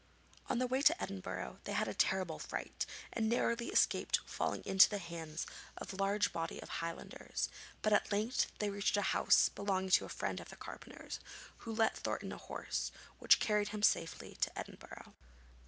On the way to Edinburgh they had a terrible fright, and narrowly escaped falling into the hands of a large body of Highlanders, but at length they reached a house belonging to a friend of the carpenter's, who lent Thornton a horse, which carried him in safety to Edinburgh.